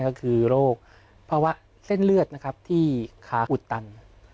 ก็คือโรคภาวะเส้นเลือดนะครับที่ขาอุดตัน